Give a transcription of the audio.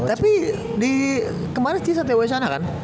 tapi kemarin sih satya wacana kan